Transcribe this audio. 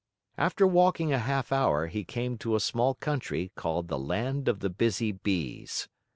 After walking a half hour, he came to a small country called the Land of the Busy Bees.